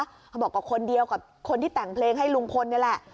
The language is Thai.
เขาบอกกับคนเดียวกับคนที่แต่งเพลงให้ลุงพลนี่แหละ